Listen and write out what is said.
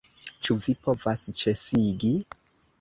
Ĉu vi povas ĉesigi?